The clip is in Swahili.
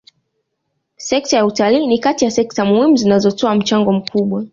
Sekta ya utalii ni kati ya sekta muhimu zinazotoa mchango mkubwa